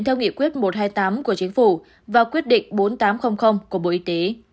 theo nghị quyết một trăm hai mươi tám của chính phủ và quyết định bốn nghìn tám trăm linh của bộ y tế